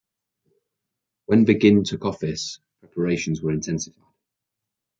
When Begin took office, preparations were intensified.